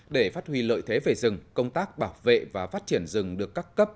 để phát huy lợi thế về rừng công tác bảo vệ và phát triển rừng được các cấp